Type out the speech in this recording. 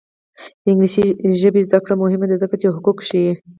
د انګلیسي ژبې زده کړه مهمه ده ځکه چې حقوق ښيي.